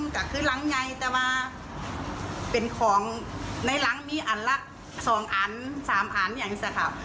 แต่คือหลังไงแต่ว่าเป็นของในหลังมีอันละสองอันสามอันอย่างงี้สักครับ